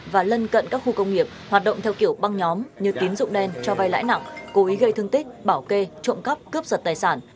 và lân cận các khu công nghiệp hoạt động theo kiểu băng nhóm như tín dụng đen cho vai lãi nặng cố ý gây thương tích bảo kê trộm cắp cướp giật tài sản